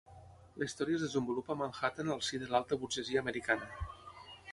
La història es desenvolupa a Manhattan al si de l'alta burgesia americana.